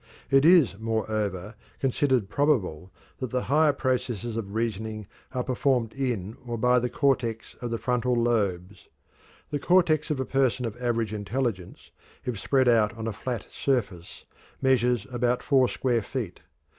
It is, moreover, considered probable that the higher processes of reasoning are performed in or by the cortex of the frontal lobes. The cortex of a person of average intelligence, if spread out on a flat surface, measures about four square feet.